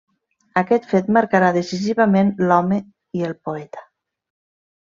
Aquest fet marcarà decisivament l'home i el poeta.